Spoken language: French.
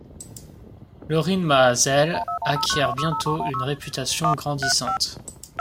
Lorin Maazel acquiert bientôt une réputation grandissante.